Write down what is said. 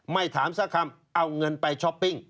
ไม่ถามสักคำเอาเงินไปช้อปปิ้ง